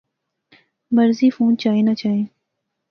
مرضی فون چائیں نہ چائیں